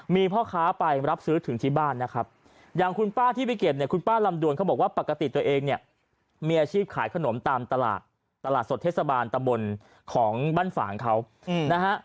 มีพ่อค้าไปรับซื้อถึงที่บ้านนะครับอย่างคุณป้าที่ไปเก็บเนี่ยคุณป้าลำดวนเขาบอกว่าปกติตัวเองเนี่ยมีอาชีพขายขนมตามตลาดตลาดสดเทศบาลตะบนของบ้านฝ่างเขานะฮะ